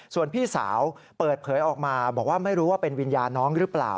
ส่วนพี่สาวเปิดเผยออกมาบอกว่าไม่รู้ว่าเป็นวิญญาณน้องหรือเปล่า